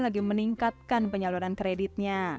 lagi meningkatkan penyaluran kreditnya